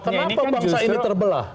kenapa bangsa ini terbelah